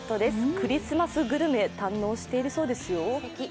クリスマスグルメ、堪能しているそうですよ。